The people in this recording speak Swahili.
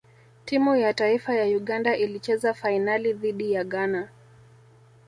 timu ya taifa ya uganda ilicheza fainali dhidi ya ghana